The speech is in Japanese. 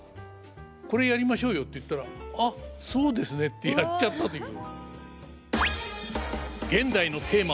「これやりましょうよ」って言ったら「ああそうですね」ってやっちゃったという。